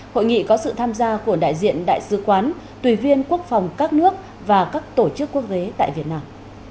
hội nghị có sự tham gia của đại diện đại sứ quán tùy viên quốc phòng các nước và các tổ chức quốc tế tại việt nam